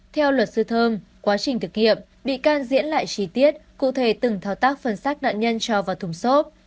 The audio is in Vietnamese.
theo luật sư thơm quá trình thực nghiệm bị can diễn lại chi tiết cụ thể từng thao tác phân sát nạn nhân cho vào thủng xốp